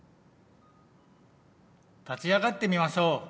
立ち上がってみましょう！